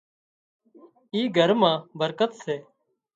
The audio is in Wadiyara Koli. اي گھر مان برڪت سي